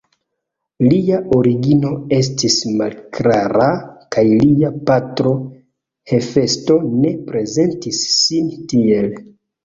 Lia origino estis malklara kaj lia patro Hefesto ne prezentis sin tiel.